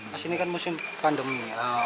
mas ini kan musim pandemi